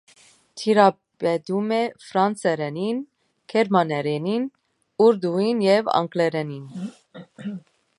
Տիրապետում է ֆրանսերենին, գերմաներենին, ուրդուին և անգլերենին։